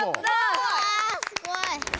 うわすごい。